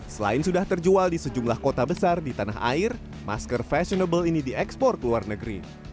selain sudah terjual di sejumlah kota besar di tanah air masker fashionable ini diekspor ke luar negeri